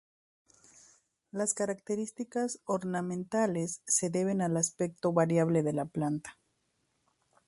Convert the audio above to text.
Las características ornamentales se deben al aspecto variable de la planta.